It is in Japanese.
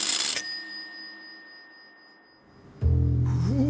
うわ。